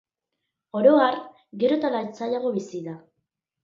Oro har, gero eta lasaiago bizi da.